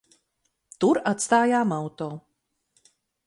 Tur atstājām auto.